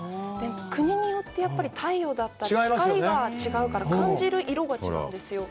国によって太陽だったり、光が違うから、感じる色が違うんですよ。